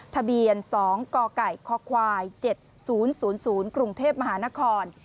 ทะเบียน๒กกคควาย๗๐๐กรุงเทพมหานคร